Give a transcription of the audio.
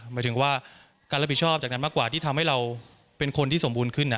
หมายถึงว่าการรับผิดชอบจากนั้นมากกว่าที่ทำให้เราเป็นคนที่สมบูรณ์ขึ้น